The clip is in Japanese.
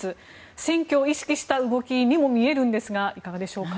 選挙を意識した動きにも見えるんですがいかがでしょうか。